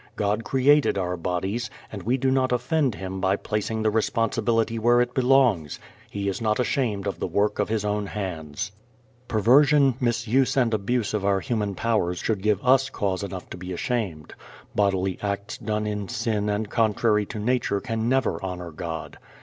God created our bodies, and we do not offend Him by placing the responsibility where it belongs. He is not ashamed of the work of His own hands. Perversion, misuse and abuse of our human powers should give us cause enough to be ashamed. Bodily acts done in sin and contrary to nature can never honor God.